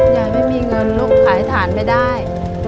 ยายไม่มีเงินลูกขายฐานไม่ได้